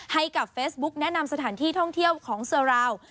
ให้กับเฟซบุ๊กแนะนำสถานที่ท่องเที่ยวของเซอร์ราว